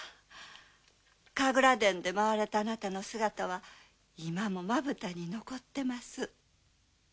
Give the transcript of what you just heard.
神楽殿で舞われたあなたの姿は今もまぶたに残ってます。